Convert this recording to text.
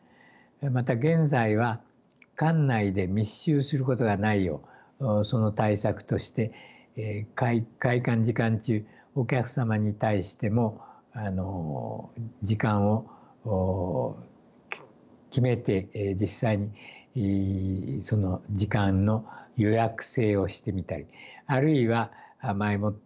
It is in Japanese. また現在は館内で密集することがないようその対策として開館時間中お客様に対しても時間を決めて実際にその時間の予約制をしてみたりあるいは前もって